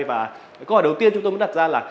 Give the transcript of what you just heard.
và câu hỏi đầu tiên chúng tôi muốn đặt ra là